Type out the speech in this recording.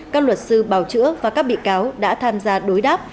các luật sư bào chữa và các bị cáo đã tham gia đối đáp